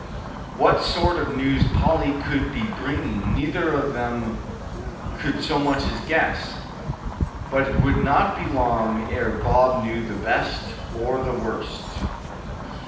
What sort of news Polly could be bringing neither of them could so much as guess; but it would not be long now ere Bob knew the best, or the worst.